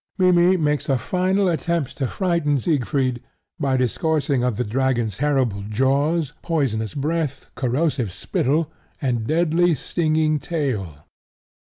Mimmy makes a final attempt to frighten Siegfried by discoursing of the dragon's terrible jaws, poisonous breath, corrosive spittle, and deadly, stinging tail.